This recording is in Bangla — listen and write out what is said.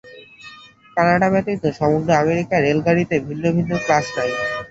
কানাডা ব্যতীত সমগ্র আমেরিকায় রেলগাড়ীতে ভিন্ন ভিন্ন ক্লাস নাই।